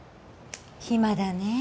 暇だねぇ。